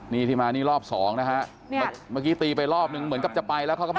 นี่ที่มานี่รอบสองนะฮะเมื่อกี้ตีไปรอบนึงเหมือนกับจะไปแล้วเขาก็มา